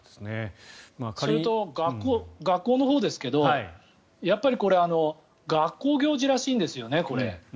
それと学校のほうですけどこれ学校行事らしいんですよね。